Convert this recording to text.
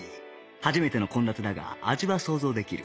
初めての献立だが味は想像できる